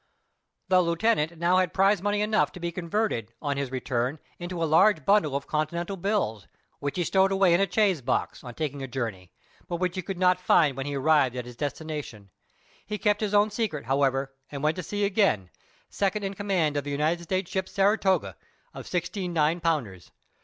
The Lieutenant had now prize money enough to be converted, on his return, into a large bundle of continental bills, which he stowed away in a chaise box, on taking a journey, but which he could not find when he arrived at his destination. He kept his own secret, however, and "went to sea again," second in command of the United States' ship Saratoga, of sixteen nine pounders.